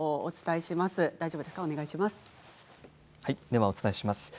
ではお伝えします。